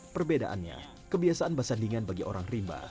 perbedaannya kebiasaan basandingan bagi orang rimba